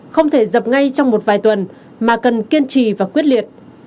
không thể dập ngay trong một vài tuần mà cần kiên trì và quyết liệt